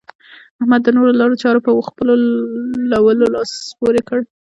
احمد د نورو لارو چارو په خپلولو لاس پورې کړ.